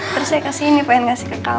terus saya ke sini pengen kasih ke kamu